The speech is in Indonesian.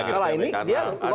kalau ini dia lompat